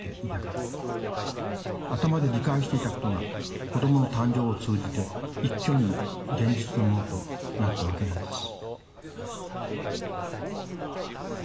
頭で理解していたことが子どもの誕生を通じて一挙に現実のものとなったわけなんです。